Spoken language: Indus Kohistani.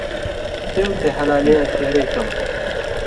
ہیُو تے ہلالیں یاں تېرئ کمہۡ